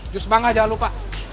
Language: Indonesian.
jus bangga jangan lupa